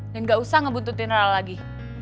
dan gak usah ngebuntutin rara lagi